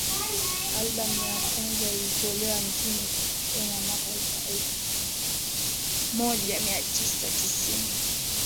Albamu yake ya kwanza ilitolewa nchini Kenya mwaka wa elfu moja mia tisa tisini